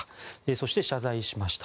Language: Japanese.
そして謝罪しました。